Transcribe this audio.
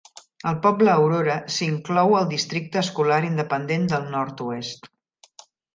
El poble Aurora s'inclou al districte escolar independent del nord-oest.